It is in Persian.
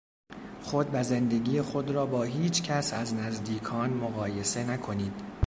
خود و زندگی خود را با هیچ کس از نزدیکان مقایسه نکنید.